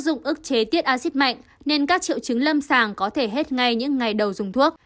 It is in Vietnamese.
dụng ức chế tiết acid mạnh nên các triệu chứng lâm sàng có thể hết ngay những ngày đầu dùng thuốc